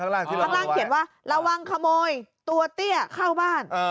ข้างล่างเขียนว่าระวังขโมยตัวเตี้ยเข้าบ้าน